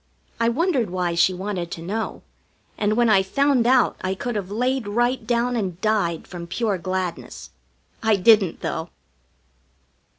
I wondered why she wanted to know, and when I found out I could have laid right down and died from pure gladness. I didn't, though.